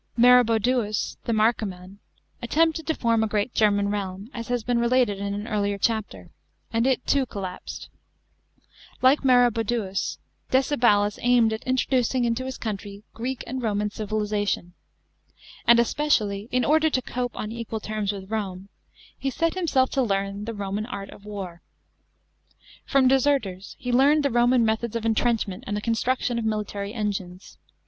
Maroboduus, the Marcoman, attempted to form a great German realm, as has been related in an earlier chapter,! and it too collapsed. Like Maro boduus, Decebalus aimed at introducing into his country Greek and Roman civilisation. And especially, in order to cope on equal terms with Rome, he set himself to learn the Roman art of war. From deserters he learned the Roman methods of entrenchment and the construction of military engines.